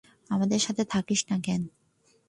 আমাদের সাথে থাকছিস না কেন?